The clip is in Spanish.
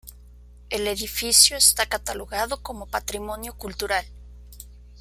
El edificio está catalogado como patrimonio cultural.